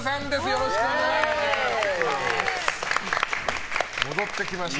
よろしくお願いします。